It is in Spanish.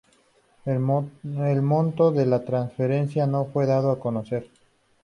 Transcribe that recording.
El monto de la transferencia no fue dado a conocer.